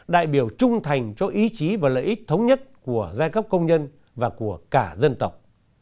đại biểu trung thành cho ý chí và lợi ích thống nhất của giai cấp công nhân và của cả dân tộc